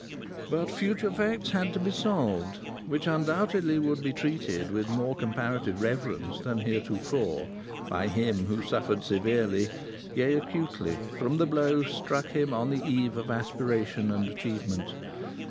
But future facts had to be solved, which undoubtedly would be treated with more comparative reverence than heretofore, by him who suffered severely yea, acutely from the blow struck him on the eve of aspiration and achievement.